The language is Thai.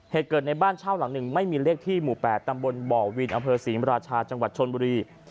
เหตุเกิดในบ้านเช่าหลังหนึ่งไม่มีเลขที่หมู่๘ตำบลบ่อวินอำเภอศรีมราชาจังหวัดชนบุรี